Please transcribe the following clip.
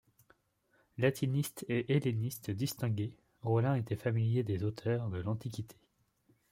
Latiniste et helléniste distingué, Rollin était familier des auteurs de l'Antiquité.